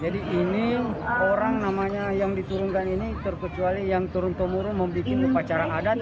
jadi ini orang namanya yang diturunkan ini terkecuali yang turun temurun membuat pembicaraan adat